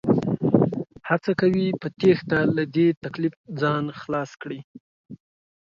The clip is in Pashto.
هڅه کوي په تېښته له دې تکليف ځان خلاص کړي